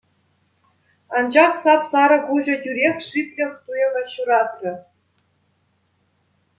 Анчах сап-сарӑ куҫӗ тӳрех шиклӗх туйӑмӗ ҫуратрӗ.